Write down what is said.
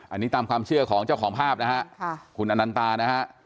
อันนี้ตามความเชื่อของเจ้าของภาพนะฮะคุณอนันตานะฮะ